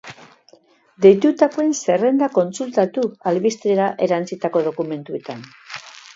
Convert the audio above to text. Deitutakoen zerrendak kontsultatu albistera erantsitako dokumentuetan.